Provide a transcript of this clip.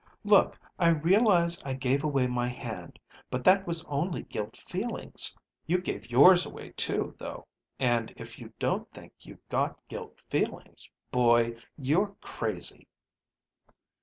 "Look, I realize I gave away my hand. But that was only guilt feelings. You gave yours away too, though. And if you don't think you've got guilt feelings, boy, you're crazy."